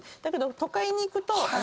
だけど都会に行くと。